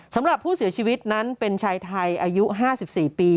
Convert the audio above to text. สำหรับผู้เสียชีวิตนั้นเป็นชายไทยอายุ๕๔ปี